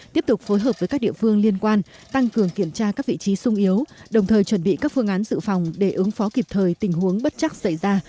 tiếp tục phối hợp với các địa phương liên quan tăng cường kiểm tra các vị trí sung yếu đồng thời chuẩn bị các phương án dự phòng để ứng phó kịp thời tình huống bất chắc xảy ra